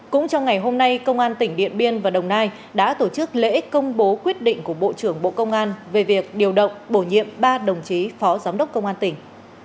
cũng trong ngày hôm nay công an tỉnh điện biên và đồng nai đã tổ chức lễ công bố quyết định của bộ trưởng bộ công an về việc điều động bổ nhiệm ba đồng chí phó giám đốc công an tỉnh